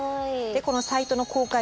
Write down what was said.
でこのサイトの公開